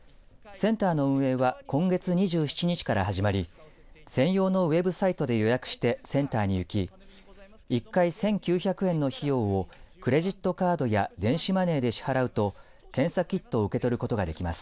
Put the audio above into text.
センターの運営は今月２７日から始まり専用のウェブサイトで予約してセンターに行き１回１９００円の費用をクレジットカードや電子マネーで支払うと検査キットを受け取ることができます。